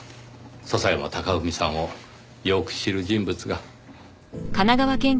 笹山隆文さんをよく知る人物が。